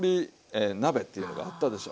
鍋っていうのがあったでしょ。